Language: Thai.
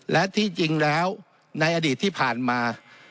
และที่จริงแล้วในอดีตที่ผ่านมา